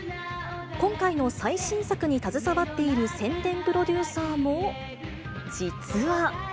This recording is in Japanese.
今回の最新作に携わっている宣伝プロデューサーも、実は。